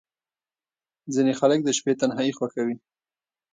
• ځینې خلک د شپې تنهايي خوښوي.